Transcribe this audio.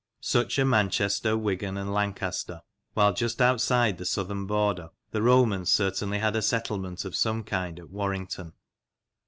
Such are Manchester, Wigan, and Lancaster, while just outside the southern border the Romans certainly had a settlement of some kind at Warrington.